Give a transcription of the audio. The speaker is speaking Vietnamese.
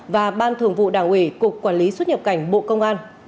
và ban thường vụ đảng ủy cục quản lý xuất nhập cảnh bộ công an